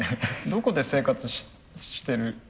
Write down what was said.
どこで生活してる。